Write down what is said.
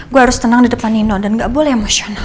gue harus tenang di depan nino dan gak boleh emosional